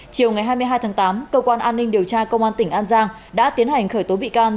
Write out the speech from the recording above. chiều ngày hai mươi hai tháng tám cơ quan an ninh điều tra công an tỉnh an giang đã tiến hành khởi tố bị can